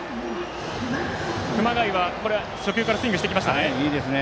熊谷は、初球からスイングしてきましたね。